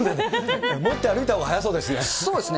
持って歩いたほうが速そうでそうですね。